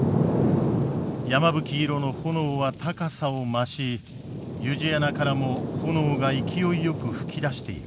山吹色の炎は高さを増し湯路穴からも炎が勢いよく噴き出している。